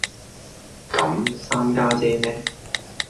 咁三家姐呢